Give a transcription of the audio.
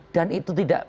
dan itu tidak